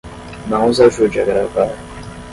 Não os ajude a gravar